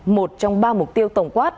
một trong ba mục tiêu tổng quát